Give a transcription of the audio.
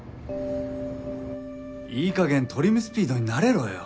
いい加減トリム・スピードに慣れろよ。